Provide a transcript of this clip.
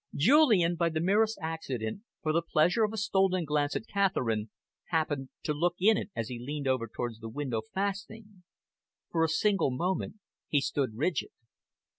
Julian, by the merest accident, for the pleasure of a stolen glance at Catherine, happened to look in it as he leaned over towards the window fastening. For a single moment he stood rigid.